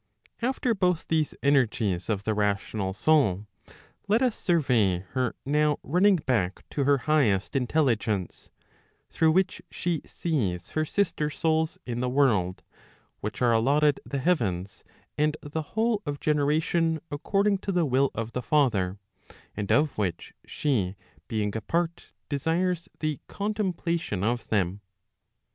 After both these energies of the rational soul, let us survey her now running back to her highest intelligence, through which she sees her sister souls in the world, which are allotted the heavens and the whole of generation according to tye will of the father, and of which she being a part, desires the contemplation of them.